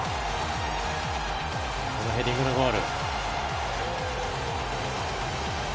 このヘディングのゴール。